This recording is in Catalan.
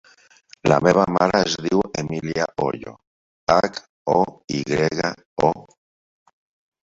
La meva mare es diu Emília Hoyo: hac, o, i grega, o.